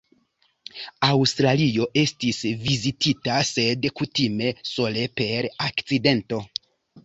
Aŭstralio estis vizitita, sed kutime sole per akcidento.